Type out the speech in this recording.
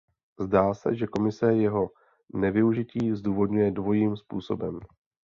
Zdá se, že Komise jeho nevyužití zdůvodňuje dvojím způsobem.